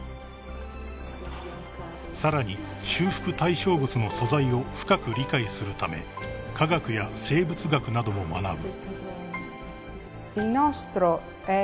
［さらに修復対象物の素材を深く理解するため化学や生物学なども学ぶ］